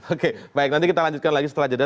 oke baik nanti kita lanjutkan lagi setelah jeda